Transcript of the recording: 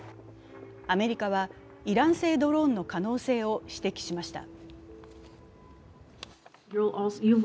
アメリカはイラン製ドローンの可能性を指摘しました。